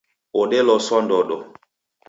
Odeloswa ndodo